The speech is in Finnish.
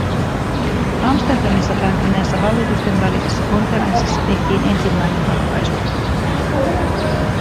Amsterdamissa päättyneessä hallitusten välisessä konferenssissa tehtiin ensimmäinen ratkaisu.